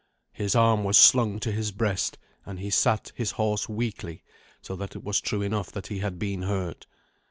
His arm was slung to his breast, and he sat his horse weakly, so that it was true enough that he had been hurt.